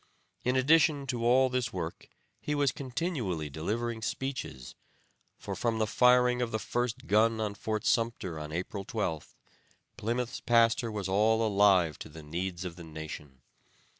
In addition to all this work he was continually delivering speeches; for from the firing of the first gun on Fort Sumpter on April 12th, Plymouth's pastor was all alive to the needs of the nation.